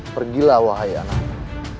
pergilah wahai anakmu